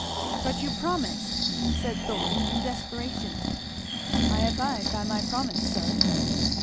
"But you promised!" said Thorn in desperation. "I abide by my promise, sir."